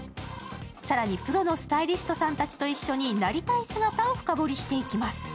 更に、プロのスタイリストさんたちと一緒になりたい姿を深掘りしていきます。